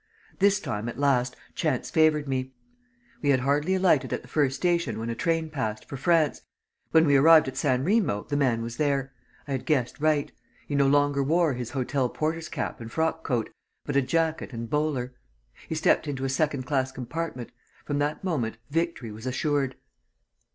This time, at last, chance favoured me. We had hardly alighted at the first station when a train passed, for France. When we arrived at San Remo, the man was there. I had guessed right. He no longer wore his hotel porter's cap and frock coat, but a jacket and bowler. He stepped into a second class compartment. From that moment, victory was assured."